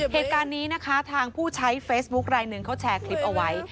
เหตุการณ์นี้นะคะทางผู้ใช้เฟซบุ๊คลายหนึ่งเขาแชร์คลิปเอาไว้